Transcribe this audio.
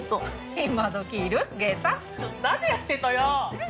ちょっと何やってんのよ！